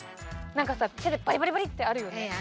なんかさ、手でバリバリバリってあるよね。